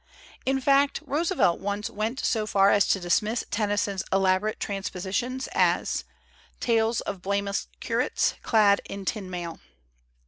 In fact, Roosevelt once went so far as to dismiss Tennyson's elaborate transposi tions as "tales of blameless curates, clad in tin mail."